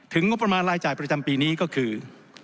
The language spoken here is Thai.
งบประมาณรายจ่ายประจำปีนี้ก็คือ